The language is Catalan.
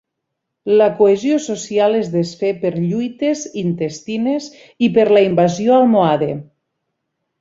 La cohesió social es desfé per lluites intestines i per la invasió almohade.